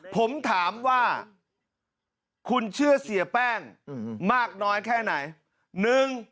ผมถามว่าคุณเชื่อเสียแป้งมากน้อยแค่ไหน